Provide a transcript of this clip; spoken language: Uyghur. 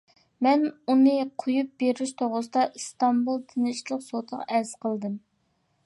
مەن ئۇنى قويۇپ بېرىش توغرىسىدا ئىستانبۇل تىنچلىق سوتىغا ئەرز قىلدىم.